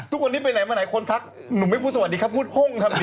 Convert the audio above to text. ทุกคนที่ไปไหนมาไหนคนทักหนุ่มไม่พูดสวัสดีค่ะพูดโฮ่งทำเดียว